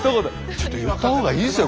「ちょっと言った方がいいですよ